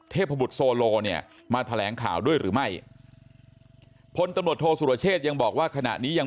เทพบุตรโซโลเนี่ยมาแถลงข่าวด้วยหรือไม่พลตำรวจโทษสุรเชษยังบอกว่าขณะนี้ยัง